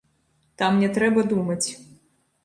Там не трэба думаць.